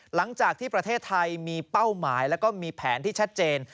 หลังจากที่ประเทศไทยมีเป้าหมายแล้วก็มีแผนที่ชัดเจน